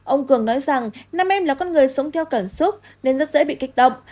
ông cường nói rằng nam em là con người sống theo cảm xúc nên rất dễ bị kích động